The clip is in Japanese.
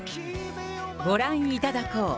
ご覧いただこう。